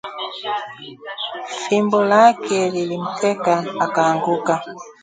Fimbo lake lilimteka akaanguka